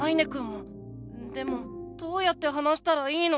でもどうやって話したらいいの？